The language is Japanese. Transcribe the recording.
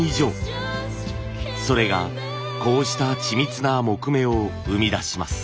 それがこうした緻密な木目を生み出します。